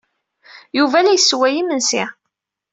Yuba la yessewway imensi.